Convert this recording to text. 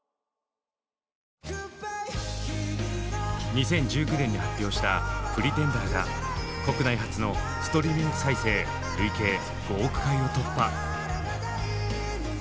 ２０１９年に発表した「Ｐｒｅｔｅｎｄｅｒ」が国内初のストリーミング再生累計５億回を突破。